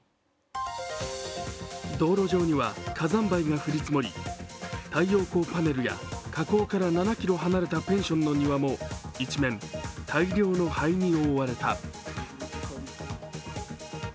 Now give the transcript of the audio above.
道路上には火山灰が降り積もり、太陽光パネルや火口から７ｋｍ離れたペンションの庭も一面大量の灰に覆われた。